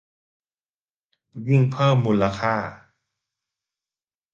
ยิ่งเพิ่มมูลค่า